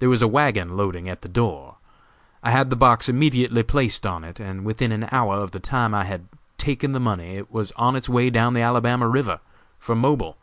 There was a wagon loading at the door. I had the box immediately placed on it, and within an hour of the time I had taken the money it was on its way down the Alabama river, for Mobile.